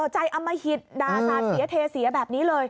ใจอมหิตด่าสาดเสียเทเสียแบบนี้เลย